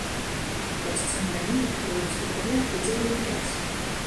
Рост цэн на імпарт у беларускіх рублях вядзе да інфляцыі.